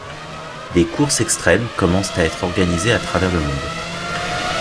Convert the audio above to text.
Des courses extrêmes commencent à être organisées à travers le monde.